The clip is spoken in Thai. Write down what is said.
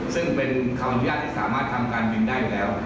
ซึ่งเป็นคำอนุญาตที่สามารถทำการบินได้อยู่แล้ว